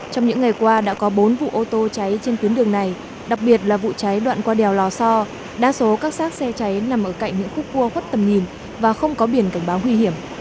trong những ngày qua đã có bốn vụ ô tô cháy trên tuyến đường này đặc biệt là vụ cháy đoạn qua đèo lò so đa số các xác xe cháy nằm ở cạnh những khúc cua khuất tầm nhìn và không có biển cảnh báo nguy hiểm